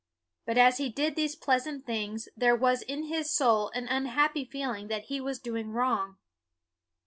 But as he did these pleasant things, there was in his soul an unhappy feeling that he was doing wrong.